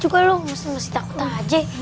udah dah udah dah